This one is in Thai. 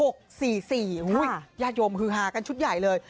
ญาติโยมฮือฮากันชุดใหญ่เลย